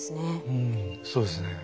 うんそうですね。